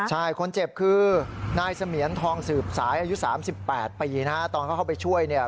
ใช่คนเจ็บคือนายเสมียนทองสืบสายอายุ๓๘ปีนะฮะตอนเขาเข้าไปช่วยเนี่ย